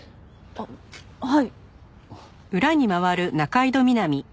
あっはい。